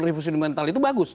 revolusi mental itu bagus